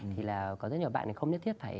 thì là có rất nhiều bạn không nhất thiết